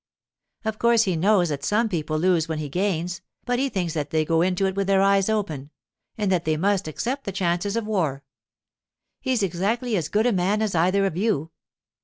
Of course he knows that some people lose when he gains, but he thinks that they go into it with their eyes open, and that they must accept the chances of war. He's exactly as good a man as either of you.